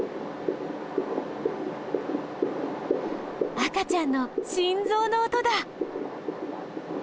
赤ちゃんの心ぞうの音だ！